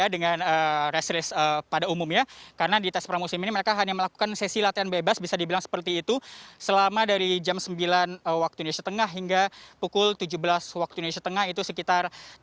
dan di hari kedua